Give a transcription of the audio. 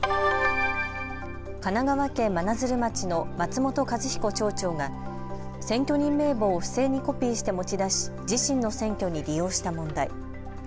神奈川県真鶴町の松本一彦町長が選挙人名簿を不正にコピーして持ち出し自身の選挙に利用した問題。